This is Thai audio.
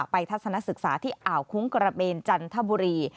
ทัศนศึกษาที่อ่าวคุ้งกระเบนจันทบุรี